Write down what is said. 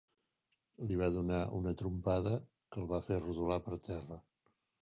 Li va donar una trompada que el va fer rodolar per terra.